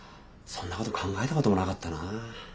そんなこと考えたこともなかったな。